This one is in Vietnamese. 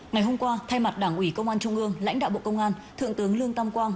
ngày hôm qua thay mặt đảng ủy công an trung ương lãnh đạo bộ công an thượng tướng lương tam quang